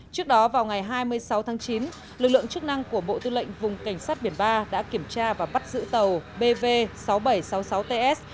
trước đó vào ngày hai mươi sáu tháng chín lực lượng chức năng của bộ tư lệnh vùng cảnh sát biển ba đã kiểm tra và bắt giữ tàu bv sáu nghìn bảy trăm sáu mươi sáu ts